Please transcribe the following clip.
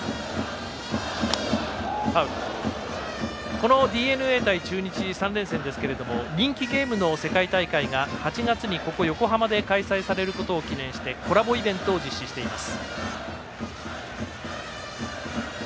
このＤｅＮＡ対中日３連戦ですが人気ゲームの世界大会が８月に、ここ横浜で開催されることを記念してコラボイベントを実施しています。